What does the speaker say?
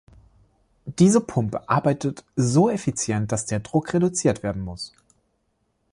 Diese Pumpe arbeitet so effizient, dass der Druck reduziert werden muss.